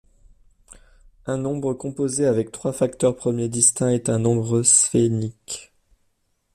Un nombre composé avec trois facteurs premiers distincts est un nombre sphénique.